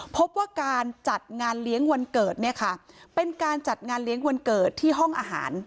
พบว่าการจัดงานเลี้ยงวันเกิดเนี่ยค่ะเป็นการจัดงานเลี้ยงวันเกิดที่ห้องอาหาร